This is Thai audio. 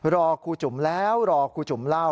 รอครูจุ๋มแล้วรอครูจุ๋มเล่า